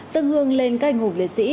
dân hương lên cây ngục liệt sĩ